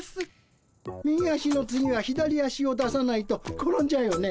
「右足の次は左足を出さないと転んじゃうよね」